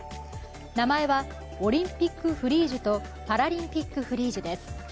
名前はオリンピック・フリージュとパラリンピック・フリージュです。